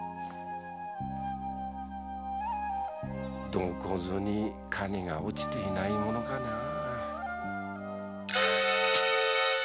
どこぞに金が落ちてないものかなぁ